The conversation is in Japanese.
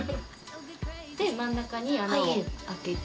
で真ん中に穴を開けて。